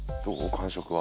感触は。